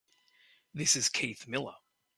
This is Keith Miller.